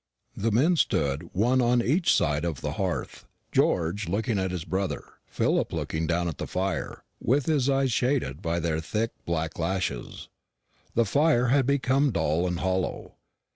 The men stood one on each side of the hearth; George looking at his brother, Philip looking down at the fire, with his eyes shaded by their thick black lashes. The fire had become dull and hollow.